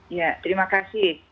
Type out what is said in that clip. ya terima kasih